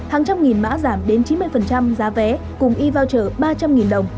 hàng trăm nghìn mã giảm đến chín mươi giá vé cùng e voucher ba trăm linh đồng